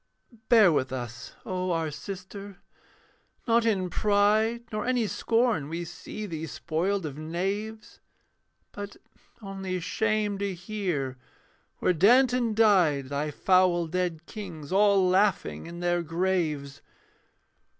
Bear with us, O our sister, not in pride, Nor any scorn we see thee spoiled of knaves, But only shame to hear, where Danton died, Thy foul dead kings all laughing in their graves.